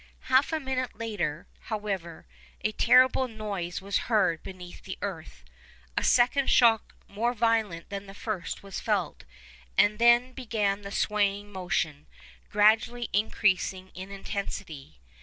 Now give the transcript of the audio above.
Half a minute later, however, a terrible noise was heard beneath the earth; a second shock more violent than the first was felt; and then began the swaying motion, gradually increasing in intensity.